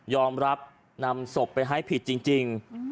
รับนำศพไปให้ผิดจริง